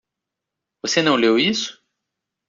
Você não leu isso?